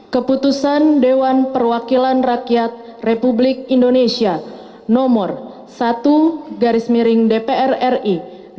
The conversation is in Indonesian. keputusan dewan perwakilan rakyat republik indonesia nomor satu dpr ri empat dua ribu tujuh belas dua ribu delapan belas